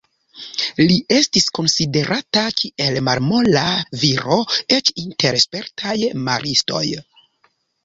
Li estis konsiderata kiel malmola viro eĉ inter spertaj maristoj.